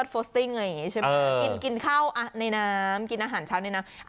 ใช่เจ้ากินเข้าในน้ำกินอาหารเช้าในน้ำ